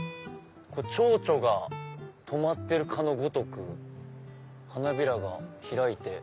チョウチョが止まってるかのごとく花びらが開いて。